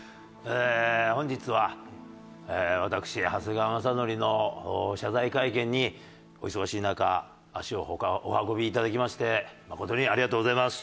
本日は私長谷川雅紀の謝罪会見にお忙しい中足をお運びいただきまして誠にありがとうございます。